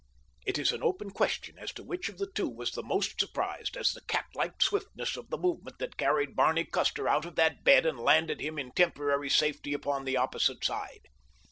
It is an open question as to which of the two was the most surprised at the cat like swiftness of the movement that carried Barney Custer out of that bed and landed him in temporary safety upon the opposite side.